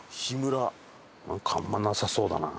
なんかあんまなさそうだな。